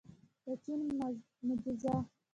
د چین معجزه.